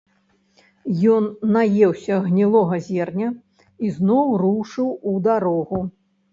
Ён наеўся гнілога зерня і зноў рушыў у дарогу.